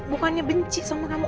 mama tuh bukannya benci sama kamu